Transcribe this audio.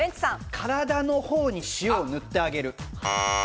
体の方に塩を塗ってあげる。